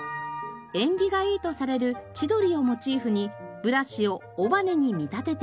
縁起がいいとされる千鳥をモチーフにブラシを尾羽に見立てています。